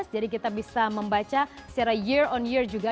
jadi kita bisa membaca secara year on year juga